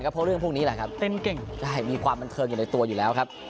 เพราะเรื่องพวกนี้แหละครับเต้นเก่งมีความบันเทิงอยู่ในตัวอยู่แล้วครับ